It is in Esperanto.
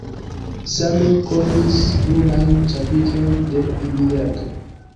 Same konis plurajn ĉapitrojn de Iliado.